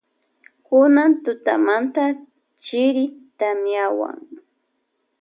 Kunan tutamanta chiri tamiawan.